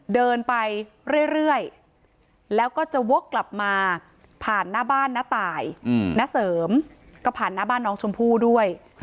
เดินไปเรื่อยแล้วก็จะวกกลับมาผ่านหน้าบ้านน้าตายณเสริมก็ผ่านหน้าบ้านน้องชมพู่ด้วย